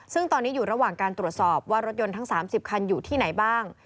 ซึ่งตอนนี้อยู่ระหว่างการตรวจสอบว่ารถยนต์ทั้ง๓๐คันอยู่ที่ไหนบ้าง